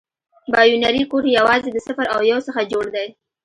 بایونري کوډ یوازې د صفر او یو څخه جوړ دی.